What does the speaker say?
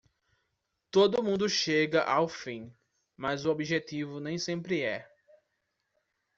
Todo mundo chega ao fim, mas o objetivo nem sempre é.